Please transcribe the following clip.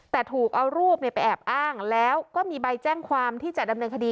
แต่ถูกเอารูปไปแอบอ้างแล้วก็มีใบแจ้งความที่จะดำเนินคดี